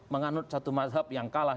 menganut satu mazhab yang kalah